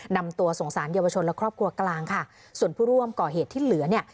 นำตัวส่งสารเยาวชนและครอบครัวกลางค่ะส่วนผู้ร่วมก่อเหตุที่เหลือเนี่ย